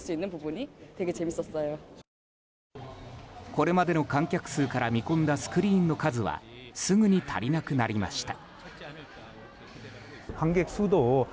これまでの観客数から見込んだスクリーンの数はすぐに足りなくなりました。